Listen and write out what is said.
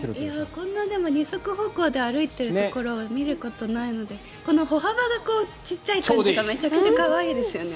こんな二足歩行で歩いているところを見ることないのでこの歩幅が小さい感じがめちゃくちゃ可愛いですよね。